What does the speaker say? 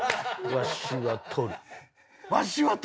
「わしは取る」？